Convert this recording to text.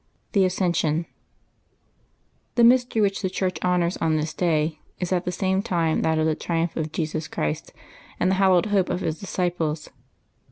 '^ THE ASCENSION. ^nHE mystery which the Church honors on this day is v!y at the same time that of the triumph of Jesus Christ and the hallowed hope of His disciples.